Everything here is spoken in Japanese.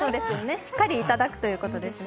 しっかりいただくということですね。